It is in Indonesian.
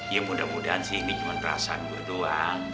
ya mudah mudahan sih ini cuma perasaan berdoa